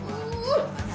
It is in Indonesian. aku duluan ya